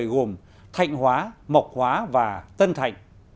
gồm thạnh hóa mộc hóa và tân thạnh